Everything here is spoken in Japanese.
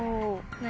何？